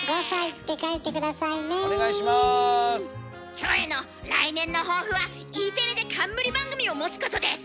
キョエの来年の抱負はＥテレで冠番組を持つことです！